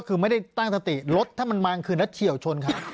คือไม่ได้ตั้งสติรถถ้ามันมากลางคืนแล้วเฉียวชนเขา